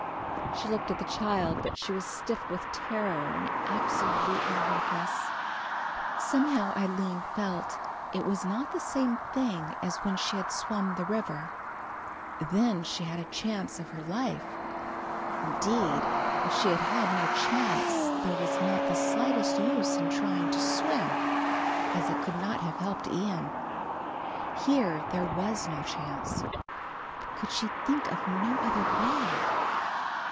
She looked at the child; but she was stiff with terror and absolutely helpless. Somehow Aline felt it was not the same thing as when she had swum the river, then she had a chance of her life; indeed, if she had had no chance there was not the slightest use in trying to swim, as it could not have helped Ian. Here there was no chance; could she think of no other way?